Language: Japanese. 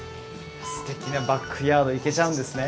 すてきなバックヤードへ行けちゃうんですね？